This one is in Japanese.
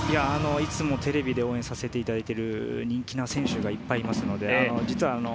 いつもテレビで応援させていただいている人気の選手がいっぱいいますので。